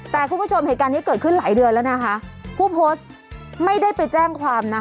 แต่คุณผู้ชมเหตุการณ์นี้เกิดขึ้นหลายเดือนแล้วนะคะผู้โพสต์ไม่ได้ไปแจ้งความนะ